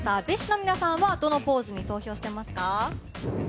ＢｉＳＨの皆さんはどのポーズに投票していますか？